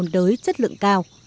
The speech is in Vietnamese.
đới chất lượng cao